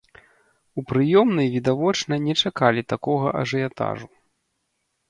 У прыёмнай відавочна не чакалі такога ажыятажу.